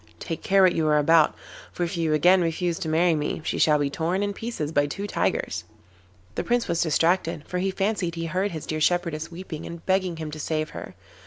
Take care what you are about, for if you again refuse to marry me she shall be torn in pieces by two tigers.' The Prince was distracted, for he fancied he heard his dear shepherdess weeping and begging him to save her.